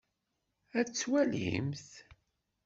Ad twalimt.